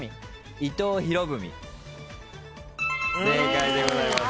正解でございます。